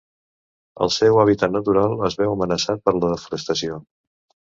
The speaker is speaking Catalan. El seu hàbitat natural es veu amenaçat per la desforestació.